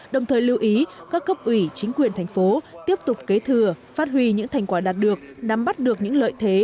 đồng thời lưu ý các cấp ủy chính quyền thành phố tiếp tục kế thừa phát huy những thành quả đạt được nắm bắt được những lợi thế